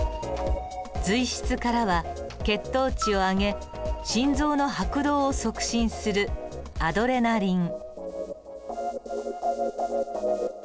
髄質からは血糖値を上げ心臓の拍動を促進するアドレナリン。